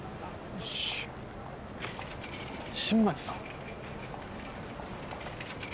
よし新町さん？